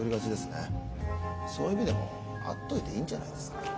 そういう意味でも会っといていいんじゃないですか？